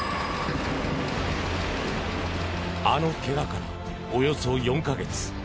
あのけがから、およそ４か月。